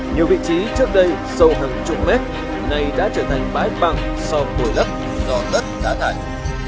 nhiều vị trí trước đây sâu hàng chục mét nay đã trở thành bãi băng so với đất do đất đã thành